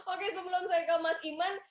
oke sebelum saya ke mas iman